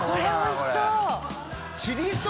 これおいしそう！